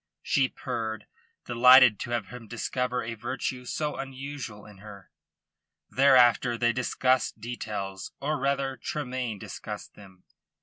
she purred, delighted to have him discover a virtue so unusual in her. Thereafter they discussed details; or, rather, Tremayne discussed them.